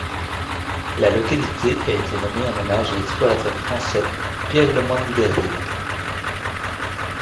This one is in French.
La localité a été nommée en hommage à l’explorateur français Pierre Le Moyne d’Iberville.